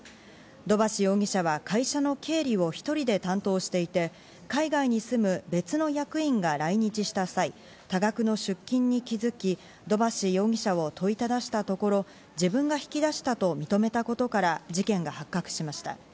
土橋容疑者は会社の経理を１人で担当していて、海外に住む別の役員が来日した際、多額の出金に気づき、土橋容疑者を問いただしたところ、自分が引き出したと認めたことから事件が発覚しました。